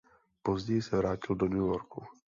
Později se vrátil do New Yorku.